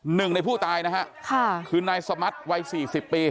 หนึ่งในผู้ตายนะฮะคือนายสมัตย์วัย๔๐ปี